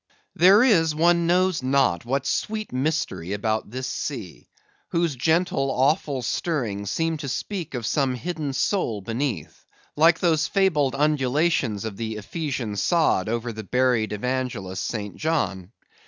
There is, one knows not what sweet mystery about this sea, whose gently awful stirrings seem to speak of some hidden soul beneath; like those fabled undulations of the Ephesian sod over the buried Evangelist St. John.